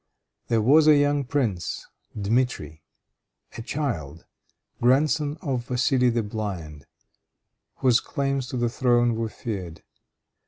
There was a young prince, Dmitri, a child, grandson of Vassili the blind, whose claims to the throne were feared.